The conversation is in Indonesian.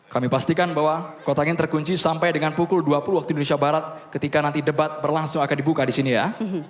kami pastikan bahwa kotak ini terkunci sampai dengan pukul dua puluh waktu indonesia barat ketika nanti debat berlangsung akan dibuka di sini ya